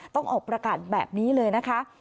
ต้องออกประกาศแบบนี้เลยนะคะ